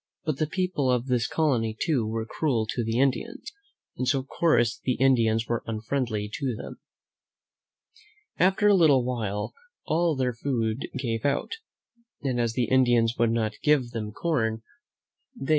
But the people of this colony, too, were cruel to the Indians, and so, of course, the Indians were unfriendly to them. After a little while all their food gave out, and as the Indians would not give them corn, they (C^ ll THE hm "^ jb.